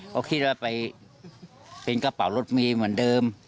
เขาคิดว่าไปเป็นกระเป๋ารถเมย์เหมือนเดิม